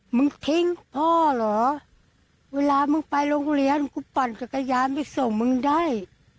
มึงทิ้งพ่อเหรอเวลามึงไปโรงเรียนกูปั่นจักรยานไปส่งมึงได้